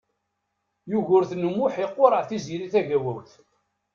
Yugurten U Muḥ iqureɛ Tiziri Tagawawt.